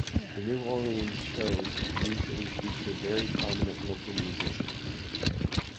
The New Orleans shows usually feature very prominent local musicians.